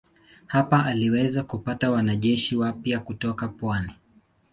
Hapa aliweza kupata wanajeshi wapya kutoka pwani.